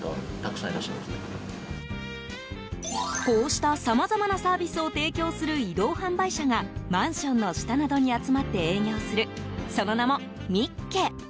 こうしたさまざまなサービスを提供する移動販売車がマンションの下などに集まって営業するその名もＭＩＫＫＥ！